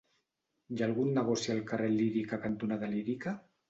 Hi ha algun negoci al carrer Lírica cantonada Lírica?